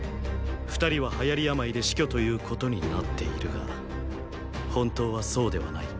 二人は流行り病で死去ということになっているが本当はそうではない。